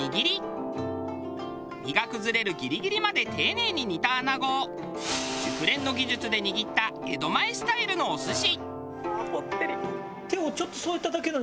身が崩れるギリギリまで丁寧に煮た穴子を熟練の技術で握った江戸前スタイルのお寿司。